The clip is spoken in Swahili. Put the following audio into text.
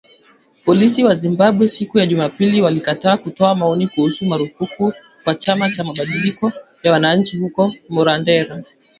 Polisi wa Zimbabwe, siku ya Jumapili walikataa kutoa maoni kuhusu marufuku kwa chama cha mabadiliko ya wananchi huko Marondera.